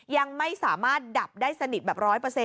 ยังไม่สามารถดับได้สนิทแบบ๑๐๐